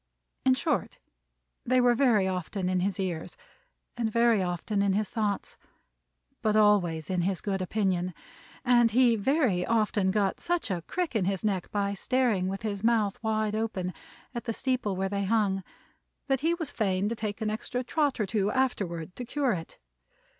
In short, they were very often in his ears, and very often in his thoughts, but always in his good opinion; and he very often got such a crick in his neck by staring with his mouth wide open, at the steeple where they hung, that he was fain to take an extra trot or two, afterward, to cure it.